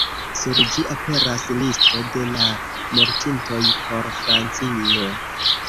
Sur ĝi aperas listo de la mortintoj por Francio.